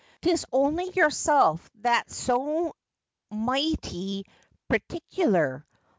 "Tis only yourself that's so moighty per ticular.